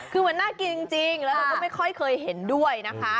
คือมันน่ากินจริงแล้วเราก็ไม่ค่อยเคยเห็นด้วยนะคะ